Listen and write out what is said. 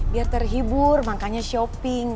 biar terhibur makanya shopping